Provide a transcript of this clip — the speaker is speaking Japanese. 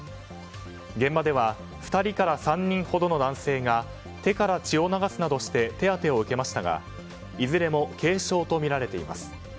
現場では２人から３人ほどの男性が手から血を流すなどして手当てを受けましたがいずれも軽傷とみられています。